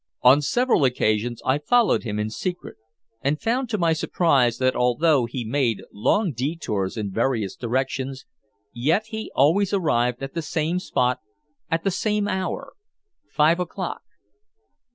On several occasions I followed him in secret, and found to my surprise that although he made long detours in various directions, yet he always arrived at the same spot at the same hour five o'clock.